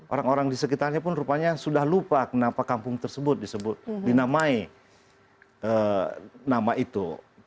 orang orang di sekitarnya pun rupanya sudah lupa kenapa kampung tersebut disebut dinamai nama itu